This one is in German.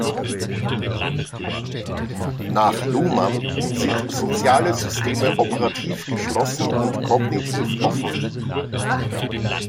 Nach Luhmann sind soziale Systeme operativ geschlossen und kognitiv offen.